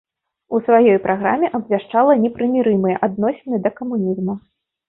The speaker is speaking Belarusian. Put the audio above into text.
У сваёй праграме абвяшчала непрымірымыя адносіны да камунізму.